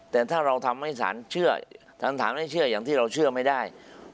แต่ถ้าเราทำให้สารเชื่อท่านถามให้เชื่ออย่างที่เราเชื่อไม่ได้